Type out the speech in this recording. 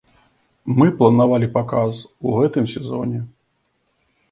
Мы планавалі паказ у гэтым сезоне.